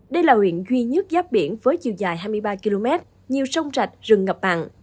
đây là huyện duy nhất giáp biển với chiều dài hai mươi ba km nhiều sông rạch rừng ngập mặn